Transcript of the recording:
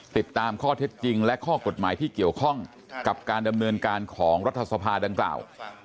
ติดตามข้อเท็จจริงและข้อกฎหมายที่เกี่ยวข้องกับการดำเนินการของรัฐสภาดังกล่าว